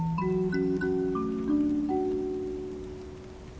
うん。